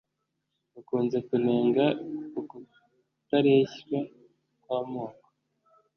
bakunze kunenga ukutareshywa kw’amoko